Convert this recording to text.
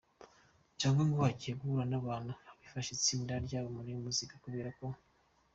cyangwa ngo agiye guhura nabantu abfasha itsinda ryabo muri muzika kubera ko.